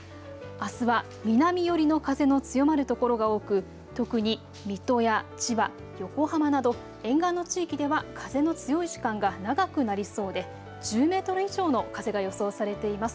あすは南寄りの風の強まる所が多く、特に水戸や千葉、横浜など沿岸の地域では風の強い時間が長くなりそうで１０メートル以上の風が予想されています。